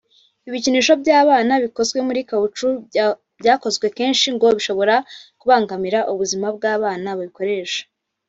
Ibikinisho by’abana bikozwe muri kawucu byakoze kenshi ngo bishobora kubangamira ubuzima bw’abana babikoresha